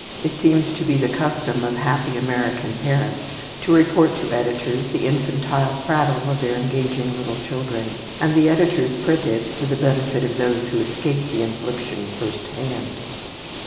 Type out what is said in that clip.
It seems to be the custom of happy American parents to report to editors the infantile prattle of their engaging little children, and the editors print it for the benefit of those who escape the infliction firsthand.